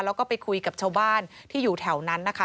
แล้วก็ไปคุยกับชาวบ้านที่อยู่แถวนั้นนะคะ